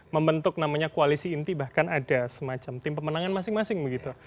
membentuk namanya koalisi inti bahkan ada semacam tim pemenangan masing masing begitu